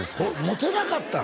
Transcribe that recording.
モテなかったん！？